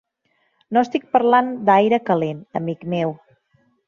No estic parlant d'aire calent, amic meu.